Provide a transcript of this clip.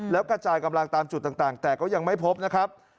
แล้วกระจายกำลังตามจุดต่างแต่ก็ยังไม่พบนะครับ